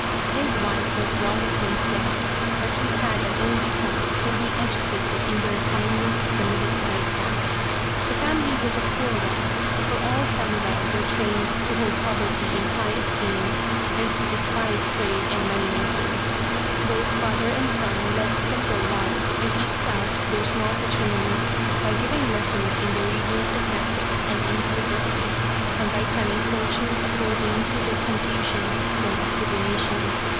His wife was long since dead, but he had an only son whom he educated in the refinements of the military class. The family was a poor one, for all samurai were trained 100 The Reincarnation of Tama to hold poverty in high esteem and to despise trade and money making. Both father and son led simple lives and eked out their small patrimony by giving lessons in the reading of the classics and in calligraphy, and by telling for tunes according to the Confucian system of divination.